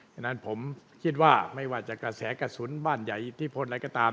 ฉะนั้นผมคิดว่าไม่ว่าจะกระแสกระสุนบ้านใหญ่อิทธิพลอะไรก็ตาม